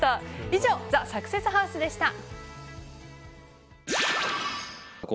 以上ＴＨＥサクセスハウスでした。